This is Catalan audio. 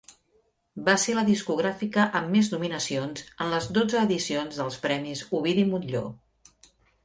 Va ser la discogràfica amb més nominacions en les dotze edicions dels Premis Ovidi Montllor.